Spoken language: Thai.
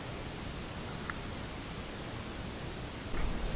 น้ำสั่งในข้าวสะพาน